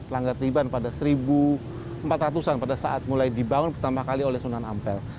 langgar tiban pada seribu empat ratus an pada saat mulai dibangun pertama kali oleh sunan ampel